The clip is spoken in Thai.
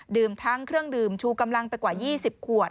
ทั้งเครื่องดื่มชูกำลังไปกว่า๒๐ขวด